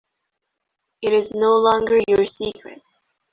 It is no longer your secret.